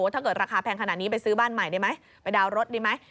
ถ้าเกิดราคาแพงขนาดนี้ไปซื้อซื้อบ้านใหม่ได้ไหม